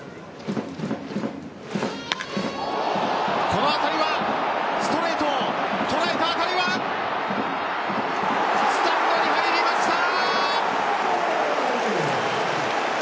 この当たりはストレートを捉えた当たりはスタンドに入りました！